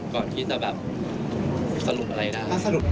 ก่อนที่จะแบบสรุปอะไรนะครับ